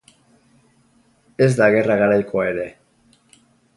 Ez da gerra garaikoa ere!.